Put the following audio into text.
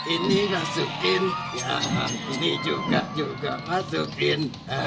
ini masukin ini juga juga masukin